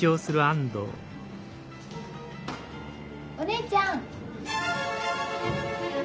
お姉ちゃん！